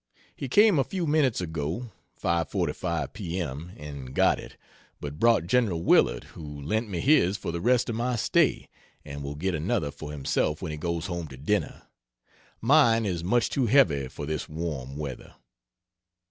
He came a few minutes ago 5.45 P.M., and got it, but brought Gen. Willard, who lent me his for the rest of my stay, and will get another for himself when he goes home to dinner. Mine is much too heavy for this warm weather.